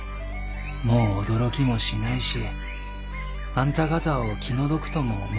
「もう驚きもしないしあんた方を気の毒とも思いませんよ」。